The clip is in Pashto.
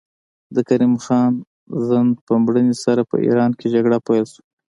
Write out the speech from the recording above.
د کریم خان زند په مړینې سره په ایران کې جګړه پیل شوه.